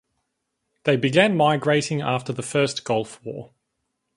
They began migrating after the first Gulf War.